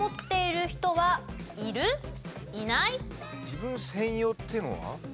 自分専用っていうのは？